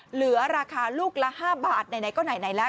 เหลือราคาลูกละ๕บาทไหนก็ไหนแล้ว